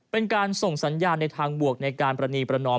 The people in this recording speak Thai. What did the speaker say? ประชาในทางบวกในการปรณีประนอม